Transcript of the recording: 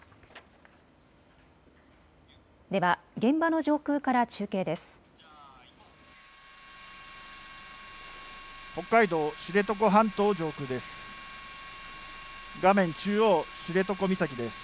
では現場の上空から中継です。